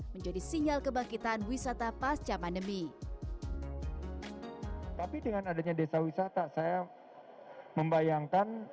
menjadi sinyal kebangkitan wisata pasca pandemi tapi dengan adanya desa wisata saya membayangkan